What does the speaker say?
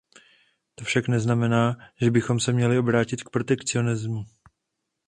To však neznamená, že bychom se měli obrátit k protekcionismu.